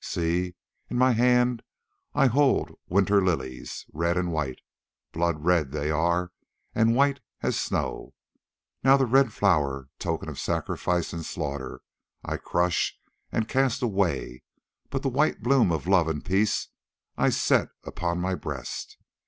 See, in my hand I hold winter lilies, red and white, blood red they are and white as snow. Now the red flower, token of sacrifice and slaughter, I crush and cast away, but the white bloom of love and peace I set upon my breast.